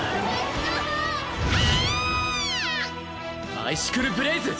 アイシクルブレイズ！